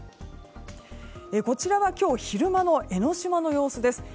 こちらは今日昼間の江の島の様子です。